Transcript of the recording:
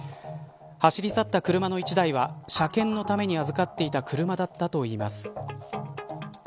走り去った車の１台は車検のために預かっていた車だったといいます。